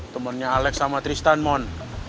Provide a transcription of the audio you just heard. temennya alex sama tristan mon